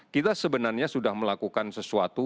kita sebenarnya sudah melakukan sesuatu